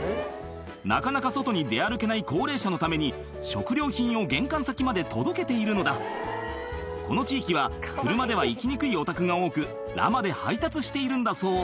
なかなか外に出歩けない高齢者のために食料品を玄関先まで届けているのだこの地域は車では行きにくいお宅が多くラマで配達しているんだそう